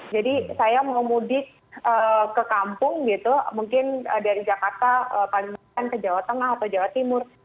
jadi saya mau mudik ke kampung gitu mungkin dari jakarta paling bukan ke jawa tengah atau jawa timur